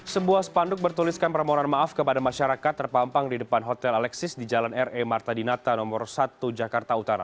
sebuah spanduk bertuliskan permohonan maaf kepada masyarakat terpampang di depan hotel alexis di jalan re marta dinata nomor satu jakarta utara